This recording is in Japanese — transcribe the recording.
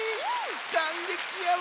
かんげきやわ。